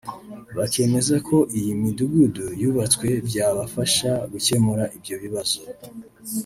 bakemeza ko iyi mudugudu yubatswe byabafasha gukemura ibyo bibazo